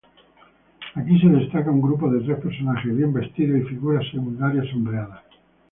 Aquí se destaca un grupo de tres personajes bien vestidos y figuras secundarias sombreadas.